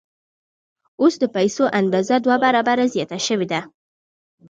اوس د پیسو اندازه دوه برابره زیاته شوې ده